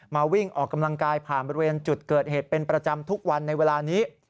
วิ่งออกกำลังกายผ่านบริเวณจุดเกิดเหตุเป็นประจำทุกวันในเวลานี้